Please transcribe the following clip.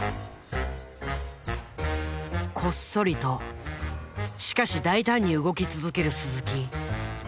こっそりとしかし大胆に動き続ける鈴木。